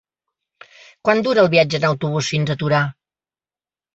Quant dura el viatge en autobús fins a Torà?